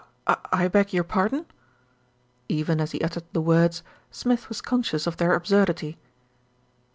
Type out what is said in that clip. "I I beg your pardon." Even as he uttered the words, Smith was conscious of their absurdity.